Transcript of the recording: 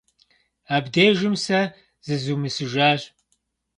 Абдежым сэ зызумысыжащ.